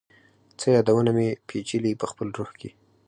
څه یادونه مي، پیچلي پخپل روح کي